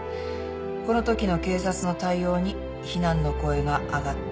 このときの警察の対応に非難の声が上がっている」